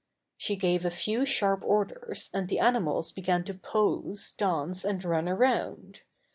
She gave a few sharp orders and the animals began to pose, dance and run around.